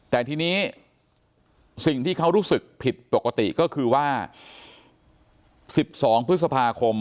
แต่ทีนี้สิ่งที่เขารู้สึกผิดปกติก็คือว่า๑๒พฤษภาคม